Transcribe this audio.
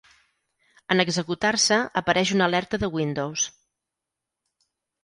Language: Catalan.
En executar-se apareix una alerta de Windows.